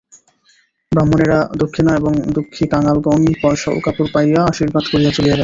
ব্রাহ্মণেরা দক্ষিণা এবং দুঃখীকাঙালগণ পয়সা ও কাপড় পাইয়া আশীর্বাদ করিয়া চলিয়া গেল।